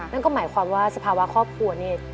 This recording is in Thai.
นั่นก็หมายความว่าสภาวะครอบครัวนี่